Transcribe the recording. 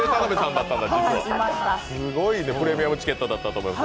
プレミアムチケットだったと思います。